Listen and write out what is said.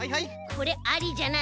これありじゃない？